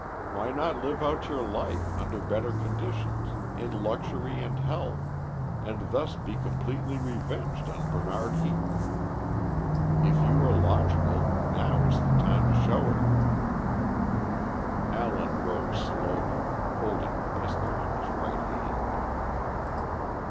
_ Why not live out your life, under better conditions, in luxury and health, and thus be completely revenged on Bernard Heaton? If you are logical, now is the time to show it." Allen rose slowly, holding the pistol in his right hand.